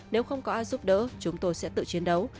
nếu không có ai giúp đỡ chúng tôi sẽ tự chiến đấu